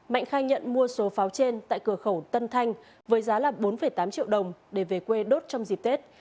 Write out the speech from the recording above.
mạnh khai nhận mua số pháo trên tại cửa khẩu tân thanh với giá là bốn tám triệu đồng để về quê đốt trong dịp tết